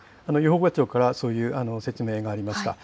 庁からそういう説明がありました。